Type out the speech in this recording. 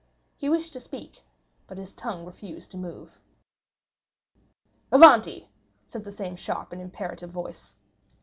He wished to speak, but his tongue refused to move. "Avanti!" said the same sharp and imperative voice.